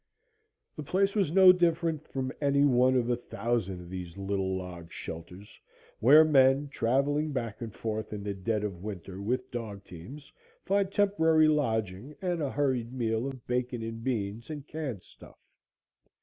The place was no different from any one of a thousand of these little log shelters where men, traveling back and forth in the dead of winter with dog teams, find temporary lodging and a hurried meal of bacon and beans and canned stuff.